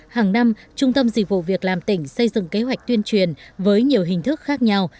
hàng năm trung tâm dịch vụ việc làm tỉnh xây dựng kế hoạch tuyên truyền với nhiều hình thức khác nhau